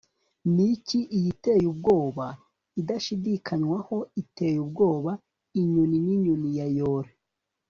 niki iyi iteye ubwoba, idashidikanywaho, iteye ubwoba, inyoni ninyoni ya yore